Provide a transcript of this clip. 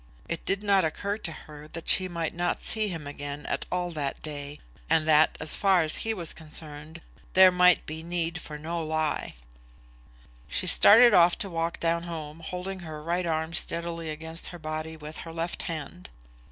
It did not occur to her that she might not see him again at all that day; and that, as far as he was concerned, there might be need for no lie. She started off to walk down home, holding her right arm steadily against her body with her left hand.